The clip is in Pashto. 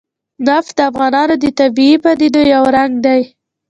نفت د افغانستان د طبیعي پدیدو یو رنګ دی.